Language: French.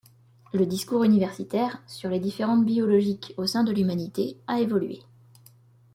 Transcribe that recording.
Le discours universitaire sur les différences biologiques au sein de l’humanité a évolué.